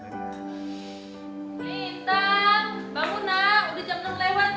lentang udah bangun kok pak